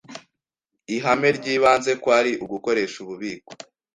Ihame ryibanze kwari ugukoresha ububiko